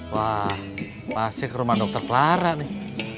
wah masih ke rumah dokter clara nih